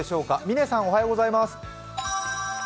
嶺さん、おはようございます。